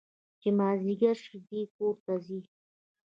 چې مازديګر چې دى کور ته ځي.